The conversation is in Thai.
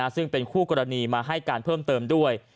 ซึ่งเป็นคู่กรณีมาให้การเพิ่มเติมด้วย